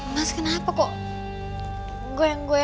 mas aku mau pergi